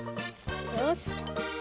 よし。